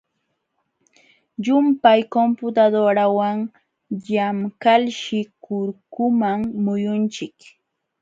Llumpay computadorawan llamkalshi kurkuman muyunchik.